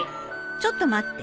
ちょっと待って。